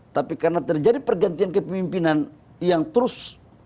tapi karena terjadi pergantian kepemimpinan yang terus